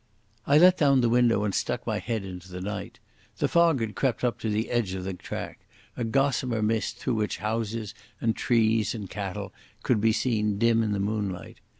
I let down the window and stuck my head into the night. The fog had crept to the edge of the track, a gossamer mist through which houses and trees and cattle could be seen dim in the moonlight.